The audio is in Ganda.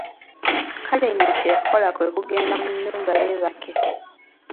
Kale nno kye yakola kwe kugenda mu nnyumba yeebake.